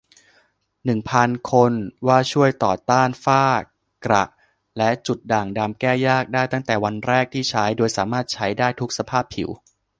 หนึ่งพัน คน ว่าช่วยต่อต้านฝ้า กระ และจุดด่างดำแก้ยากได้ตั้งแต่วันแรกที่ใช้ โดยสามารถใช้ได้ทุกสภาพผิว